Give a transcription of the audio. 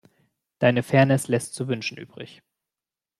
Deine Fairness lässt zu wünschen übrig.